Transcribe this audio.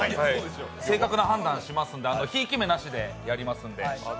正確な判断しますので、ひいき目なしにしますので。